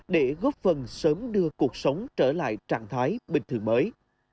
để góp phần sớm đưa cuộc sống trở lại trạng thái bình thường mới